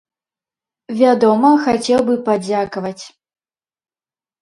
Вядома, хацеў бы падзякаваць.